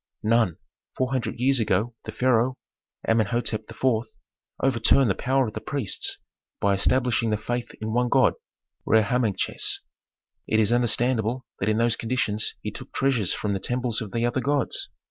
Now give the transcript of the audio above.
"None. Four hundred years ago the pharaoh, Amenhôtep IV. overturned the power of priests by establishing the faith in one god, Re Harmachis. It is understandable that in those conditions he took treasures from the temples of the other gods.